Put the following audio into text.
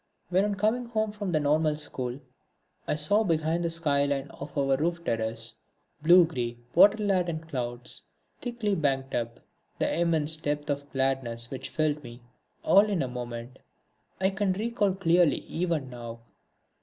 When, on coming home from the Normal School, I saw behind the skyline of our roof terrace blue grey water laden clouds thickly banked up, the immense depth of gladness which filled me, all in a moment, I can recall clearly even now.